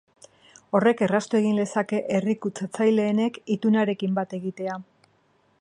Horrek erraztu egin lezake herrialde kutsatzaileenek itunarekin bat egitea.